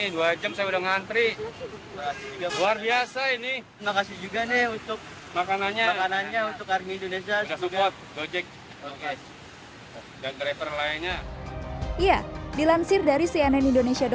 dua jam lah kurang lebih di kebal kebal sampai kepanasan makasih ini buat bts army indonesia